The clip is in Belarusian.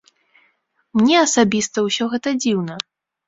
Мне асабіста ўсё гэта дзіўна.